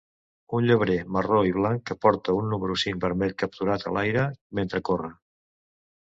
Un llebrer marró i blanc que porta un número cinc vermell capturat a l'aire mentre corre.